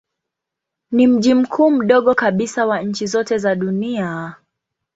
Ni mji mkuu mdogo kabisa wa nchi zote za dunia.